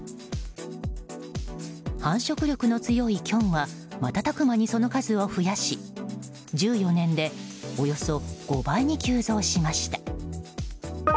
繁殖力の強いキョンは瞬く間にその数を増やし１４年で、およそ５倍に急増しました。